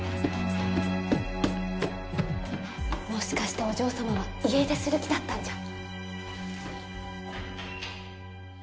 もしかしてお嬢様は家出する気だったんじゃ？